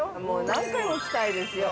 何回も来たいですよ。